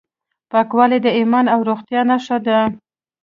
پاکوالی د ایمان او روغتیا نښه ده.